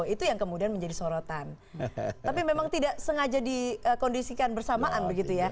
itu yang kemudian menjadi sorotan tapi memang tidak sengaja dikondisikan bersamaan begitu ya